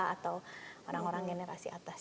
atau orang orang generasi atas